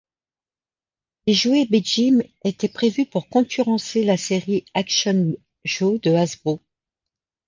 Les jouets Big Jim étaient prévus pour concurrencer la série Action Joe de Hasbro.